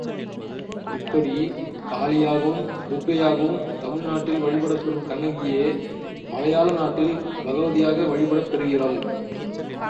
இப்படி காளியாகவும் துர்க்கையாகவும் தமிழ்நாட்டில் வழிபடப் பெறும் கண்ணகியே, மலையாள நாட்டில், பகவதியாக வழிபடப் பெறுகிறாள்.